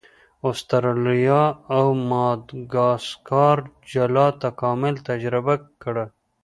استرالیا او ماداګاسکار جلا تکامل تجربه کړ.